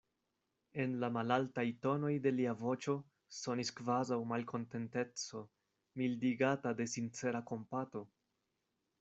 En la malaltaj tonoj de lia voĉo sonis kvazaŭ malkontenteco, mildigata de sincera kompato!